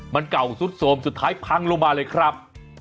มันเก่าสุดโทรมสุดท้ายพังลงมาเลยครับ